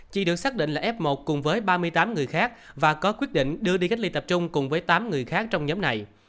chị được xác định là f một cùng với ba mươi tám người khác và có quyết định đưa đi cách ly tập trung cùng với tám người khác trong nhóm này